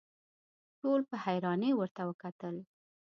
ټولو په حيرانۍ ورته وکتل.